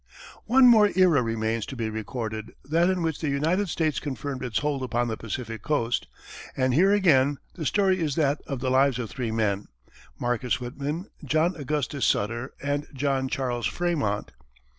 One more era remains to be recorded, that in which the United States confirmed its hold upon the Pacific coast, and here again the story is that of the lives of three men Marcus Whitman, John Augustus Sutter, and John Charles Frémont.